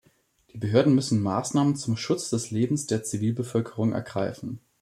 Die Behörden müssen Maßnahmen zum Schutz des Lebens der Zivilbevölkerung ergreifen.